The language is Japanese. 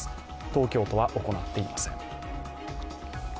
東京都は、行っていません。